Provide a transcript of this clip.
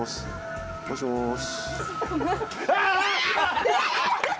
もしもし。